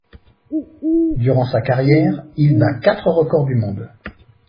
Durant sa carrière, il bat quatre records du monde.